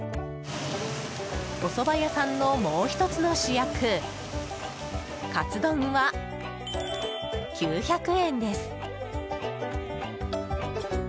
おそば屋さんのもう１つの主役かつ丼は９００円です。